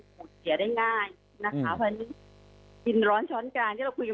แต่งได้ง่ายหลายกินร้อนช้อนการที่เราคุยมาตลอด